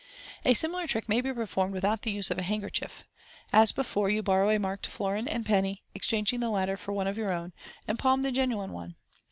A similar trick may be performed without the use of the hand kerchief. As before, you borrow a marked florin and penny, ex changing the latter for one of your own, and palm the genuine one.